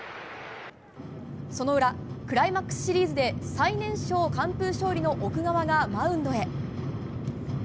その裏クライマックスシリーズで最年少完封勝利の奥川がマウンドへ。